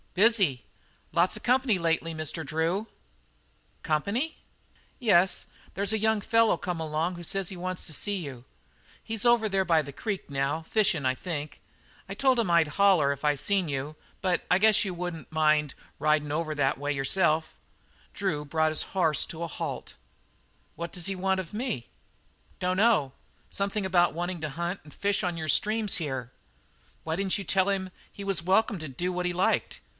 "Busy. Lots of company lately, Mr. Drew." "Company?" "Yes, there's a young feller come along who says he wants to see you. He's over there by the creek now, fishin' I think. I told him I'd holler if I seen you, but I guess you wouldn't mind ridin' over that way yourself." Drew brought his horse to a halt. "What does he want of me?" "Dunno. Something about wanting to hunt and fish on your streams here." "Why didn't you tell him he was welcome to do what he liked?